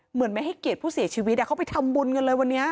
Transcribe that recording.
เหมือนไม่ให้เกียรติผู้เสียชีวิตเขาไปทำบุญกันเลยวันนี้